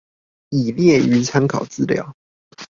已列於參考資料